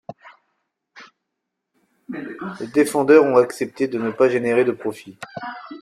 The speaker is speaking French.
Les défendeurs ont accepté de ne pas générer de profit.